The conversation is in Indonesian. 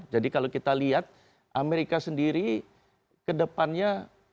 jadi kalau kita lihat amerika sendiri ke depannya